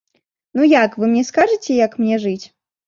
Ну як, вы мне скажыце, як мне жыць?